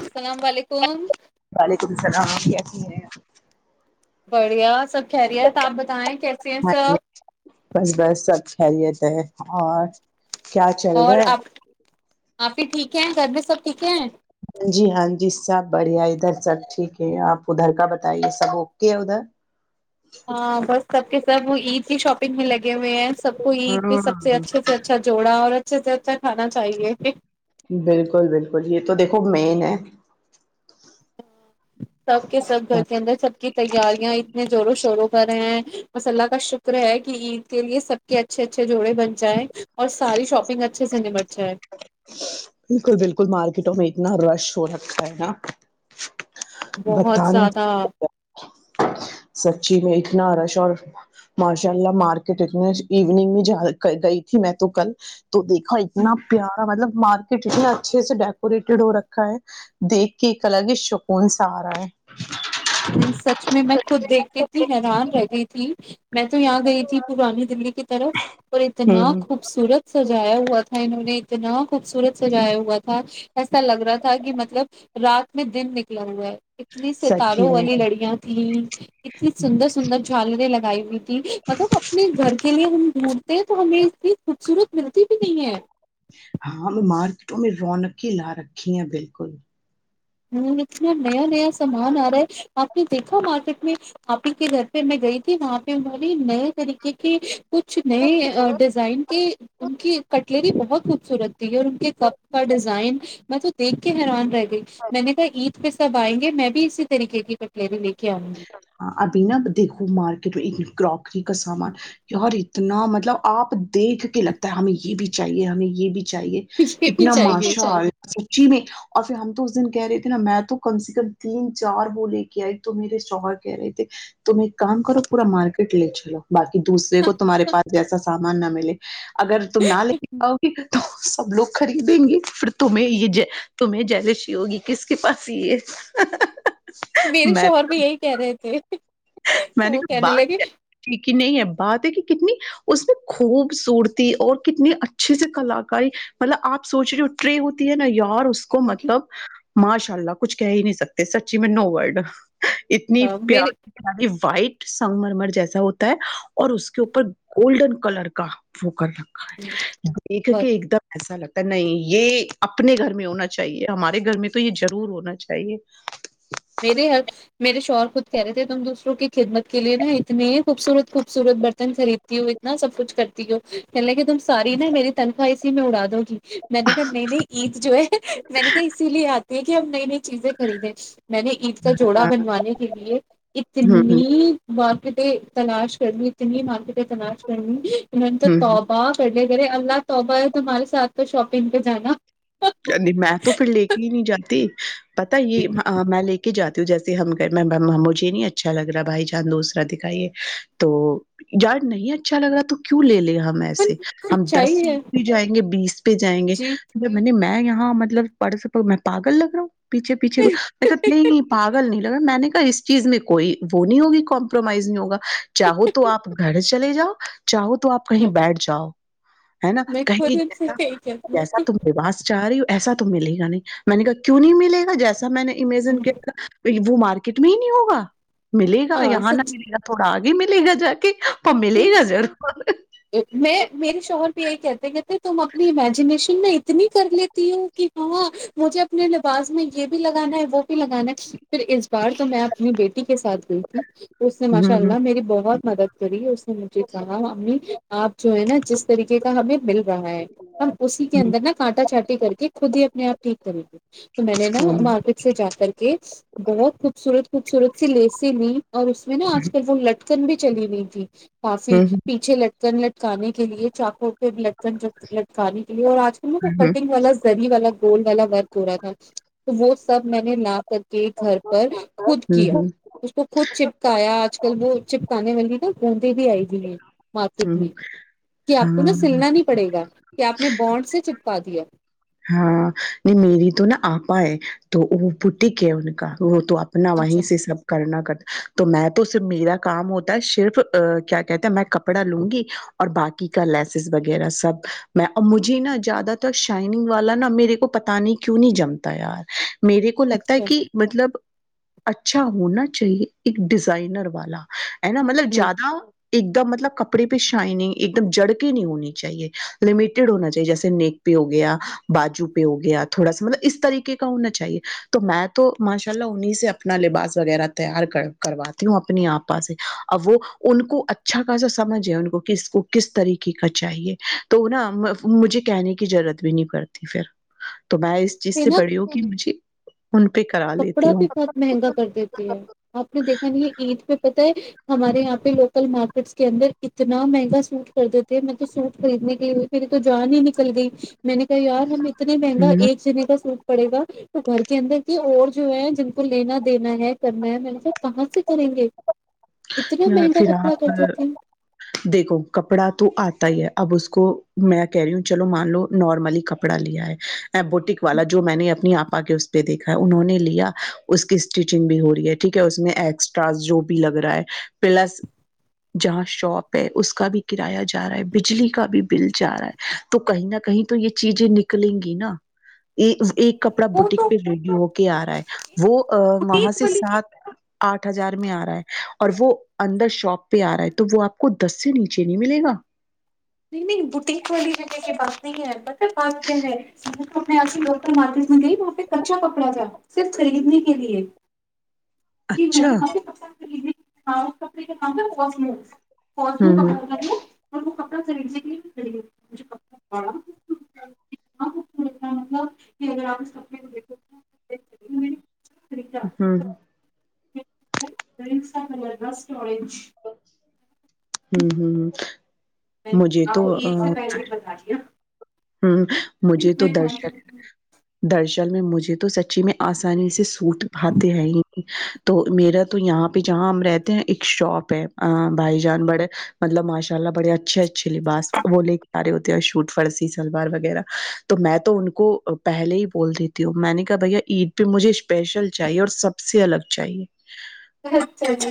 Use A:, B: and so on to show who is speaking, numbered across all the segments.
A: السلام علیکم
B: وعلیکم السلام آ کیا کی ہیں [inaudible]
A: بڑھیا [inaudible] سب کہہریی ہے آپ بتائیں کیسے ہیں
B: ہاں جی
A: سب
B: بس
A: [unintelligible]
B: بس سب خیریت ہے اور [inaudible] چل رہا
A: اور
B: ہے
A: آپ آپ بھی ٹھیک ہیں گھر بھی سب [unintelligible] ٹھیک ہے [inaudible]
B: ہاں جی ہاں جی سب بڑھیا ادھر سب ٹھیک ہے آپ ادھر کا بتائیے سب اوکے ہے ادھر [unintelligible]
A: ہاں بس سب کے سب ایزی شاپنگ ہی لگے ہوئے ہیں [unintelligible] سب کو عید پہ
B: ہاں
A: سب سے اچھے سے اچھا جوڑا عت [unintelligible] ا سے زیاھہ کھانا چاہیے [unintelligible]
B: بالکل بالکل یہ تو دیکھو مین ہے [unintelligible]
A: ہ سب کے سب گھر کے اندر سب کی تیاریاں اتنے زوروں شوروں [unintelligible] ہیں بس اللہ کا شکر ہے کہ عید کے لیے سب کے اچھے اچھے جوڑے بن جائیں [unintelligible] اور ساری شاپنگ اچھے سے نمٹتا ہے [unintelligible]
B: بالکل بالکل مارکیٹوں میں اتنا رش ہو رکھا ہے نا
A: بہت
B: بتا نہیں
A: زیادہ
B: سکتے سچی میں اتنا رش اور ماشاء اللہ مارکیٹ اتنے ایوننگ میں جا گئی تھی میں تو کل تو دیکھا اتنا پیارا مطلب مارکیٹ اتنے اچھے سے ڈیکوریٹڈ ہو رکھا ہے دیکھ کے ایک الگ شکون سے سارا ہے
A: سچ میں میں خود دیکھ کے اتنی حیران رہ گئی تھی میں تو یہاں گئی تھی پرانی دللی کی طرف اور اتنا
B: ہوں
A: خوبصورت سجایا ہوا تھا انہوں نے اتنا خوبصورت سجایا ہوا تھا ایسا لگ رہا تھا کہ مطلب رات میں دن نکلا ہوا ہے اتلیس سے تال
B: سچی
A: و
B: میں
A: والی لڑیاں تھیں اتنی سندر سندر جھالنے لگ گائی بھی مطلب اپنے گھر کے لیے ہم ڈھونڈتے ہیں تو ہمیں اس کی خوبصورت ملتی بھی نہیں ہے
B: تو میں رونق ہی لا رکھی ہے بالکل
A: ہ اتنا نیا نیا سامان آ رہا ہے آپ نے دیکھا مارکیٹ میں آپ ہی کے گھر پہ میں گئی تھی وہاں پہ باری نئے طریقے کے کچھ نئے ڈیزائن کے ان کی کٹلری ب بت خوبصورت تھی اور ان کے کپ کا ڈیزائن میں تو دیکھ کے حیران رہ گئی میں نے کہا عید پہ سب آئیں گے میں بھی اسی طریقے کی پٹلری ل
B: ہاں ابھی نا دیکھو مارک کروکری کا سامان اور اتنا مطلب آپ دیکھ کے لگتا ہے ہمیں یہ بھی چاہیے ہمیں یہ بھی چاہیے
A: یہ بھی
B: اتنا
A: چاہیے
B: ماشاء سچی میں اور پھر ہم تو اس دن کہہ رہے تھے نا میں تو کم سے کم تین چار وہ لے کے آئے تو میرے سر کے رہی تم ایک کام کرو پورا مارکٹ لے چو بای دوسرے کو تمہارے پاس جیسا سامان نہ ملے اگر تم نہ لے کے آاؤ گی تو سب لوگ خریدیں گے پھر تمہیں یہ تمہیں جیلشی ہوگی کس کے پاس یہ
A: میر
B: میں
A: شوہر بھی یہ کیا رہے تھے
B: میں نے
A: وہ
B: کہ
A: کہنے
B: بات
A: لگے
B: کیا ھیک کہ نہیں ہے بات ہے کہ کتنی اس میں خوبصورتی اور کتنی اچھے سے کلاکاری مطلب آپ سوچ رہے ٹرے ہوتی ہے نا یار اس کو مطلب ماشاء اللہ کچھ کہہ ہی نہیں سکتے سچی میں نو ورڈ اتنی
A: ہاں، میرے
B: پیار وائٹ سنگ مرمر جیسا ہوتا ہے اور اس کے اوپر گولڈن کلر کا وہ کر رہا دیکھ کے ایک دم ایسا لگتا نہیں یہ اپنے گھر میں ہونا چاہیے ہمارے گھر میں تو یہ ضرور ہونا چاہیے [unintelligible]
A: میرے ہر میرے شوہر خود کہہ رہے تھے تم دوسروں کی خدمت کے لیے نا اتنے ہی خوبصورت خوبصورت برتن خرید تی ہوں اتنا سب کچھ کرتی کہ ل کہ تم ساری نا میری تنخواہ اسی میں اڑا دو گی میں نے کہا نئی نئی عید جو ہے میں نے کہا اسی لیے آتی ہے کہ ہم نئی نئی چیزیں خریدیں [unintelligible] میں نے عید کا جوڑا بنوانے کے لیے
B: ہوں
A: اتنی مارکیٹیں [unintelligible] تلاش کرنی اتنی مارکیٹیں تلاش کرنی [unintelligible] ان نے تو
B: ہ ہ
A: تابا پہلے [unintelligible] اے اللہ توبہ ہے تمہارے ساتھ تو شاپنگ پہ جانا [unintelligible]
B: کہنی میں تو پھر لے کے ہی نہیں جاتی پتا یہ میں لے کے جاتا [unintelligible] جیسے مجھے نہیں اچھا لگ رہا بھائی جان دوسرا دکھائیے تو جار نہیں اچھا لگ رہا تو کیوں لے لے [unintelligible] ہم ایسے ہم دس
A: سچائی ہے
B: پہ جائیں گے بیس پہ جائیں گے
A: جی
B: جب [unintelligible] میں یہاں مطلب پڑس میں پاگل لگ رہا ہوں [unintelligible] پیچھے پیچھے میںا نہیں پاگل نہیں [unintelligible] اگر میں نے کہا اس چیز میں کوئی وہ نہیں ہوگی کمپرومائز نہیں ہوگا [unintelligible] چاہو تو آپ گھر [unintelligible] چلے جاؤ [unintelligible] چاہو تو آپ کہیں بیٹھ جاؤ [unintelligible] ہے نا
A: میں
B: کہیں
A: خود
B: گے
A: ہم سے
B: جا
A: ہی کہتی
B: جیسا تم [unintelligible] چاہ رہی ہوں ایسا تو ملے گا نہیں میں نے کہا کیوں نہیں ملےا جیسا میں نے [unintelligible] امیجن
A: ہوں
B: کیا [unintelligible] وہ مارکیٹ میں ہی نہیں ہوگا [unintelligible] ملے گا
A: ہاں
B: یہاں نہ
A: سچ
B: ملے گا تھوڑا آگے بھی ملے گا جا کے [unintelligible] پمیے ل
A: میں
B: نظر [unintelligible]
A: میں میری شوہر بھی یہی کہتے کہ تھے تم اپنی امیجنییشن میں اتنی کر لیتی ہوں کہ ہاں مجھے اپنے لباس میں یہ بھی لگانا ہے وہ بھی لگانا ہے پھر اس بار تو میں اپنی بیٹی کے ساتھ گئی تھی [unintelligible] اس نے ماشاء
B: ہوں
A: اللہ میری بہت مدد کری اس نے مجھے کہا امی [unintelligible] آپ جو ہے نا جس طریقے کا ہمیں مل رہا ہے ہم اسی کے اندر نا کانٹا چانٹی کر کے خود ہی اپنے آپ [unintelligible] ٹھیک ہے جی [unintelligible] تو میں نے نا
B: ہوں
A: مارکیٹ سے جا کر کے بہت خوبصورت خوبصورت سی لیسیں لی [unintelligible] اور اس میں نا آج کل وہ ل [unintelligible] کن بھی چلی گئی تھی کافی
B: ہوں
A: پیچھے لگ لکن لٹکانے کے لیے چاقو پہ لٹکن لٹکانے کے لیے اور آ
B: ہوں
A: کٹنگ والا زری والا رول والا ورک ہو رہا تھا تو وہ سب میں نے لا کر کے گھر پر خود
B: ہوں
A: کیا
B: ہوں
A: اس کو خود چپکایا آج کل وہ چپکانے والی کونتی بھی آئی گی ہیں
B: ہوں
A: کتنی کہ آپ کو نا
B: ہاں
A: سلنا نہیں پڑے گا کہ آپ نے بانڈ سے چ پا دیا
B: ہاں نہیں میری تو نہا آپا ہے تو وہ ٹھیک ہے ان کا وہ تو اپنا وہیں
A: اچھا
B: سے سب کرنا کر تو میں تو صرف میرا کام ہوتا ہے صرف کیا کہتے ہیں میں کپڑا لوں گی اور باقی کا لیسز وغیرہ سب میں اور مجھے نا زیادہ تر ش گ والا نا میرے کو پتا نہیں کیوں نہیں جمتا یار میرے کو لگتا ہے
A: اچھا
B: کہ مطلب اچھا ہونا چاہیے ایک ڈیزائنر والا ہے نا مطلب زیاد ایک دم مطلب کپڑے پہ شائننگ ایک دم جڑ کے نہیں ہونی چاہیے لمیٹیڈ ہونا چاہیے جیسے نیک پہ ہو گیا بجو پہ ہو گیا تھوڑا سا مطلب اس طریقے کا ہونا چاہیے تو میں تو ماشاء اللہ انہیں سے اپنا لباس وغیرہ تیار کرواتی ہوں اپنی آپا سے اب وہ ان کو اچھا خاصا سمجھ ہے ان کو کہ اس کو کس طریقے کا چاہیے تو نا مجھے کہنے کی ضرورت بھی نہیں کرتی پھر تو میں اس چیز سے
A: نا
B: پڑی ہوں کہ مجھے ان پہ کرا
A: کپڑا
B: لیتی ہوں
A: بھی بہت مہنگا کر دیتی ہے آپ نے دیکھا نہیں یہ عید پہ پتہ ہے ہمارے یہاں پہ لوکل مارکیٹس کے اندر اتنا مہنگا سوٹ کر دیتے ہیں میںطل تو سوٹ خریدنے کے لیے پھر تو جان ہی نکل گئی میں نے کہا یار ہم اتنے مہنگا
B: ہ
A: ایک جنے کا سوٹ پڑے گا تو گھر کے اندر کہ اور جو ہے جن کو لینا دینا ہے کرنا ہے میں ان سب کہاں سے کریں گے اتنا
B: یا
A: مہنگا
B: پھر
A: کپڑا کر
B: آپ
A: دیتے ہیں
B: دیکھو کپڑا تو آتا ہی ہے اب اس کو میں کہہ رہی ہوں چلو مان لو نارملی کپڑا لیا ہے ایمبوٹک والا جو میں نے اپنی آپ کے اس پہ دیکھا ہے انہوں نے لیا اس کی اسٹیچنگ بھی ہو رہی ہے ٹھیک ہے اس میں ایکسٹرا جو بھی لگا رہا پ ج شپ ہے اس بھی کرا جا رہا ہے بلی کا بھی بل جا رہا ہے تو کہیں نہ کہیں تو یہ چیزیں نکلیں گی نا کپڑا
A: وہ
B: بوٹیک
A: تو
B: پہ ریڈی ہو کے آ رہا ہے وہ وہاں
A: بوٹیک
B: سے
A: والی
B: سات آٹھ ہزار میں آ رہا ہے اور وہ اندر شاپ پہ آ رہا ہے تو وہ آپ کو دس سے نیچے نہیں ملے گا
A: نہیں نہیں بوٹیک والی جگہ کی بات نہیں ہے بٹ پااک ہے اپنے آش لوکل مارکیٹ میں گئی وہاں پہ کچا کپڑا تھا صرف خریدنے کے لیے جی میں
B: اچھا
A: نے کافی پسند کر تھی ہاں ک [unintelligible] کوسم
B: ہوں ہ
A: کپڑ [unintelligible] مطلب کہ اگر آپنے کو [unintelligible]
B: ہوں ہ [inaudible]
A: رن س کلر بسٹ آج [unintelligible] [inaudible]
B: ہوں ہوں ہ [inaudible]
A: میں
B: مجھے تو
A: آپ کو ایک سے پہلے بتا دیا [unintelligible]
B: ہاں [inaudible] مجھے تو
A: میں کون
B: درشن
A: سا
B: درشن [unintelligible] میں مجھے تو سچی میں آسانی سے سو [unintelligible] سوٹ پھاتے ہیں [inaudible] تو میرا تو یہاں پہ جہاں ہم رہتے ہیں ایک شاپ ہے بھائی جان بڑے مطلب ماشاء اللہ بڑے اچھے اچھے لباس وہ لے کے پا رہے ہوتے ہیں شوٹ فرسی سے [unintelligible] سلوار وغیرہ تو میں تو ان کو پہلے ہی بول دیتی ہوں میں نے کہا بھیا عید پہ مجھے اسپیشل چاہیے اور سب سے الگ چاہیے [unintelligible]
A: اچھا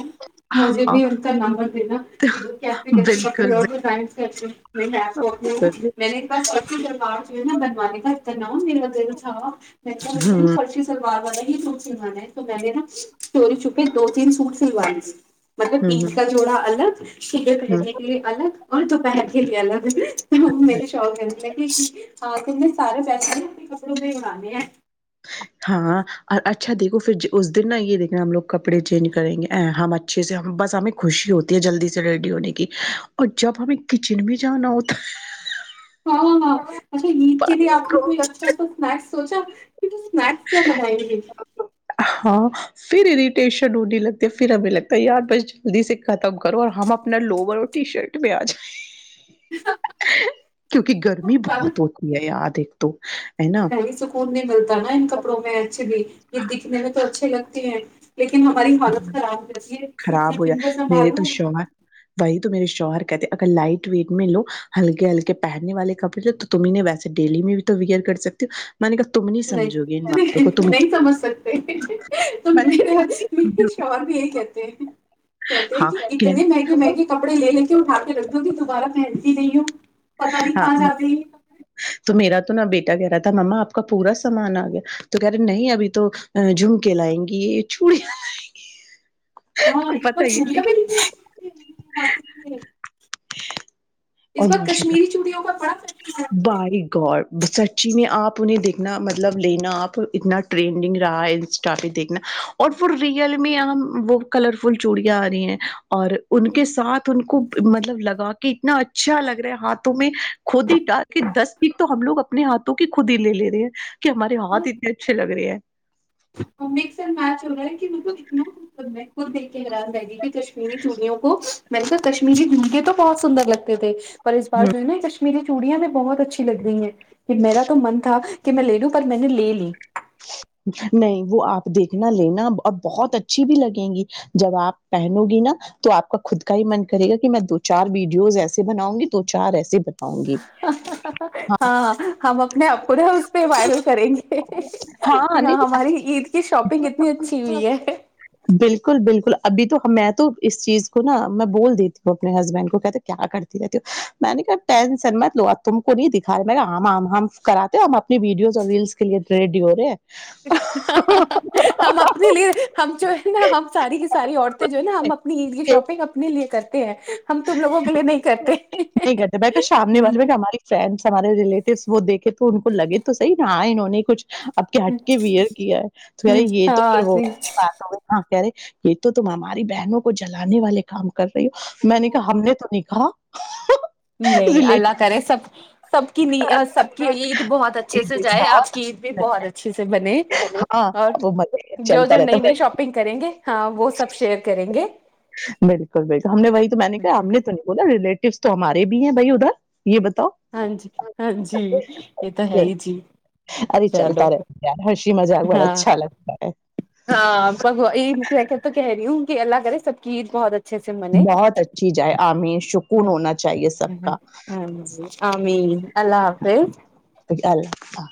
A: مجھے
B: ہاں
A: بھی ان کا نمبر د [unintelligible] ب کیسےچے کپڑے
B: بالکل
A: اور ڈیزائنس کے اچے [inaudible] میںپ
B: بالکل
A: میں نے ایک بس پرس دوا [inaudible] ن بنوے کرتے ن میرے ب تیر [unintelligible] میکھے بکل
B: ہ
A: پرچی سلوار والے [inaudible] چ سنوانا تو میں نے نا اسٹوری چپ [inaudible] پ دو تین سوٹ سلوائی مطلب
B: ہ
A: عید کا جوڑا الگ شیلے
B: ہ
A: پہرنے کے لیے الگ اور تو پہن کے لیا لا
B: ہ
A: میرے شوق ہے کہ ہاں ت سارے پیسے اپنے کپڑوں پ بڑانے ہیں
B: ہاں اور اچھا دیکھو پھر اس دن نا یہ دیکھناا ہم لوگ کپڑے چینج کریں گے ا ہم اچھے سے ہم بس ہمیں خوشی ہوتی ہے جلدی سے ریڈی ہونے کی اور جب ہمیں کچن میں جانا ہوتا
A: ہاں ہاں ہاں اچا عید کے لیے
B: بھائی
A: آ
B: کو-
A: کوئی لچتاس [unintelligible] سوچا [inaudible] ک تو اسنیکس کیا بناائے گے [unintelligible]
B: ہاں پھر اریٹیشن ہونے لگتی پھر ہمیں لگتا ہے یار بس جلدی سے ختم کرو اور ہم اپنا لوور اور ٹی شرٹ پہ آ جائیں کیونکہ گرمی بہت ہوتی ہے یاد تو [inaudible]
A: نہیںی سکون نہیں ملتا نا ان کپڑوں میں اچھھی بھی یہ دکھنے میں تو اچھے لگتے ج [unintelligible] لیکن ہماری حالت خراب ہو جاتی ہے
B: خراب
A: س
B: ہو
A: فن
B: جائے
A: کو
B: میرے تو
A: سنبھالو
B: شوہر وہی میرے شوہر کہتے اگر لائٹ ویٹ میں لو ہلکے ہلکے پہننے والے کپڑے تو تم ویسے ڈیلی میں بھی تو ویئر کر سکتی ہو میں نے کہ
A: نہیں نہیں سمجھ سکتے ت
B: میں نے
A: میرے
B: کہا
A: م شاور بھی یہی کہتے ہیں کہتے کہ اتنے مہنگے مہنگے کپڑے لے کے اٹھا کے رکھتی ہووں کہ تبارہ پہنتی نہیں ہوں پتا نہیں
B: ہاں
A: کھا ستی
B: تو میرا تو نہا بیٹا کہہ رہا تھا ما آپ کا پورا سامان آ گیا تو کہہ رہے نہیں ابھی تو جھمکے لائیں گی یہ چوڑیاں لائیں گی آپ کو
A: ہاںپ
B: پتا ہی
A: چیا
B: ہے
A: بھی اس
B: اور
A: بار
B: ماشاء
A: کشمیری چمی ہو میں بڑا خ
B: بائی گڑ سرچی میں آپ انہیں دیکھنا مطلب لینا آپ اتنا ٹرینڈنگ رہا ہے انسٹا پہ دیکھنا اور وہ ریئل میں یہاں وہ کلر فل چوڑیاں آ رہی ہیں اور ان کے ساتھ ان کو مطلب لگا کے اتنا اچھا لگ رہا ہے ہاتھوں میں خود ہی ڈ کے دس پٹ تو ہم لوگ اپنے ہاتھوں کی خود ہی لے لے رہے ہیں کہ ہمارے ہاتھ اتنے اچھے لگ رہے ہیں
A: مس اڈ میچ ہو رہا ہے کہ م کو د خود دیکھ کے حیران رہ گی کہ کشمیری چوڑیوں کو م نےے تو کشمیری گھے تو بہت سندر لگتے تھے پر اس
B: ہ
A: بار جو ن ک میری چوڑیاں میں بہت اچھی لگ رہی ہیں کہ میرا تو من تھا کہ میں لے لوں پر میں نے لے لی
B: نہیں وہ آپ دیکھنا لینا اور بہت اچھی بھی لگیں گی جب آپ پہنو گی نا تو آپ کا خود کا ہی من کرے گا کہ میں دو چار ویڈیوز ایسے بناؤں گی دو چار ایسے بناؤں گی
A: ہاں ہم اپنے اپنا اس پہ ورو کریں گے
B: نہیں
A: ہاں
B: تو
A: ہماری عید کی شاپنگ اتنی اچھی ہوئی ہے
B: بالکل بالکل ابھی تو میں تو اس چیز کو نا میں بول دیتی ہوں اپنے ہسبینڈ کو کہتے کیا کرتی رہتی ہوں میں نے کہ ٹینسن میں لو تم کو نہیں دکھا رہے ہم کراتے ہم اپنی ویڈیوز اور ریلس کے لیے ریڈی ہو رہے ہے
A: ہم اپنے لیے ہم جو ہے نا ہم ساری کی ساری عورتیں جو ہے نا ہم اپنی عید کی
B: ہیں
A: شاپنگ اپنے لیے کرتے [inaudible] ہم تم لوگوں کے لیے نہیں کرتے
B: نہیں کرتے ب تو شامنے
A: نہیں
B: والے میں ہماری فرینس ہمارے ریلیٹوس وہ دیکے تو ان کو لگے تو صح رہااں انہوں نے کچھ اب کے ہٹ کے وئر کیا ہے تو کہہے یہ تو
A: ہاں
B: پھر وہ بات ہو گئی ہاں کہہ رہے یہ تو تم ہماری بہنوں کو جلانے والے کام کو کر رہی ہ میں نہیں کہا ہم نے تو نہیں ہاں
A: نہیں اللہ کرے سب سب کی ن سب کی عید بہت اچھے سے جائے آپ
B: بہت
A: کی عید بھی بہت اچھے سے بنے
B: ہاں
A: اور
B: وہ مزے
A: جو
B: چلتا
A: جو
B: رہتا
A: نئی نئی
B: ہے
A: شاپنگ کریں گے ہاں وہ سب شیئر کریں گےکے
B: بالکل بالکل ہم نے وہی تو میں نے کہا ہم نے تو نہیں بولا ریلیٹیوس تو ہمارے بھی ہیں بھائی ادھر یہ بتا
A: ہاں جی ہاں جی یہ تو ہے ہی جی
B: ارے
A: چلو
B: چلتا رہتا ہے یار ہنسی مذاق بڑا
A: ہاں
B: اچھا لگتا ہے
A: ہاں بگو میں کہ تو کہہ رہی ہوں کہ اللہ سبکید بہت اھا
B: بہت اچھی جائے عام سکون ہونا چاہیے سب کا
A: امی
B: ا اللہ حف